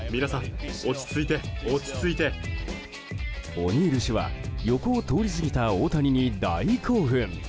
オニール氏は横を通り過ぎた大谷に大興奮。